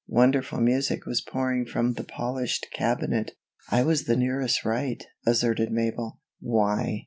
Wonderful music was pouring from the polished cabinet. "I was the nearest right," asserted Mabel. "Why!"